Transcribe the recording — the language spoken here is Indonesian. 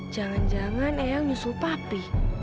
jangan jangan ayang menyusul papi